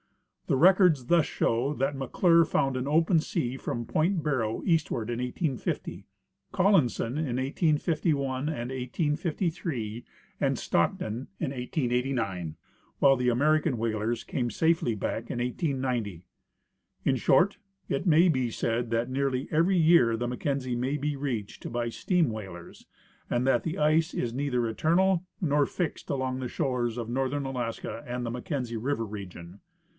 The records thus show that IVfcClure found an open sea from point Barrow eastward in 1850, Collinson in 1851 and 1853, and Stockton in 1889, while the American whalers came safely back in 1890. In short, it may' be said that nearly every year the Mackenzie may be reached by steam whalers, and that the ice is neither eternal nor fixed along the shores of northern Alaska and the Mackenzie River region.